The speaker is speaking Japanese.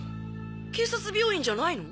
警察病院じゃないの？